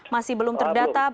masih belum terdata